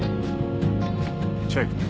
チェック。